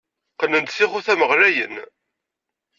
Qqnen-d tixutam ɣlayen.